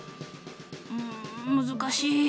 うん難しい。